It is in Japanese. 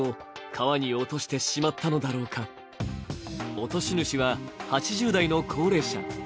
落とし主は８０代の高齢者。